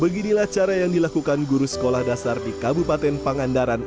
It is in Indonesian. beginilah cara yang dilakukan guru sekolah dasar di kabupaten pangandaran